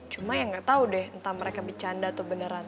cuman ya gak tau deh entah mereka bicanda atau beneran